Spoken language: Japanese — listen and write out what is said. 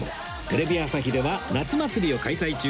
テレビ朝日では夏祭りを開催中